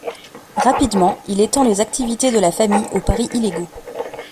Rapidement, il étend les activités de la famille aux paris illégaux.